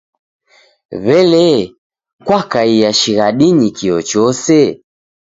W'ele, kwakaia shighadinyi kio chose?